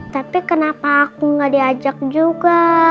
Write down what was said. tapi kenapa aku nggak diajak juga